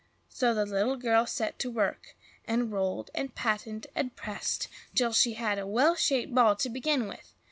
So the little girl set to work, and rolled and patted and pressed till she had a well shaped ball to begin with.